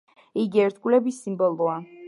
იგი ერთგულების სიმბოლოა.